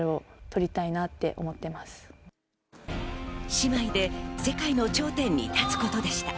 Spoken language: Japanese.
姉妹で世界の頂点に立つことでした。